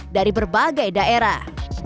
dari berbagai daerah